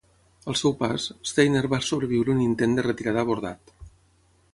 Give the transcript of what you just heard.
Al seu pas, Steiner va sobreviure un intent de retirada abordat.